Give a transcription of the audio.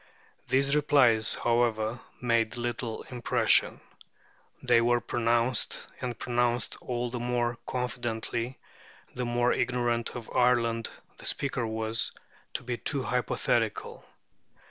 These replies, however, made little impression. They were pronounced, and pronounced all the more confidently the more ignorant of Ireland the speaker was, to be too hypothetical.